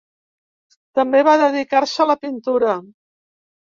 També va dedicar-se a la pintura.